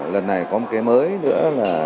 lần này có một cái mới nữa là